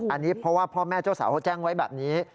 อันนี้เพราะว่าพ่อแม่เจ้าสาวเขาแจ้งไว้แบบนี้